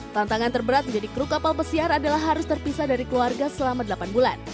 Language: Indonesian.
tantangan terberat menjadi kru kapal pesiar adalah harus terpisah dari keluarga selama delapan bulan